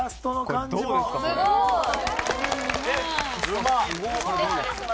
うまっ！